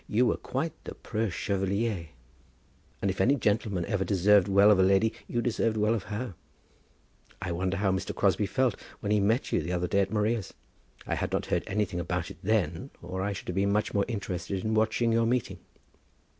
You were quite the preux chevalier; and if any gentleman ever deserved well of a lady you deserved well of her. I wonder how Mr. Crosbie felt when he met you the other day at Maria's. I had not heard anything about it then, or I should have been much more interested in watching your meeting."